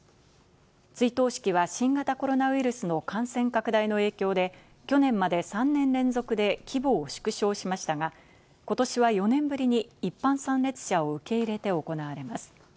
追悼式は新型コロナウイルスの感染拡大の影響で去年まで３年連続で規模を縮小しましたがことしは４年ぶりに一般参列者を受け入れて行われます。